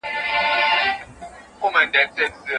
لمر خپل کار په ډېر اخلاص سره کوي.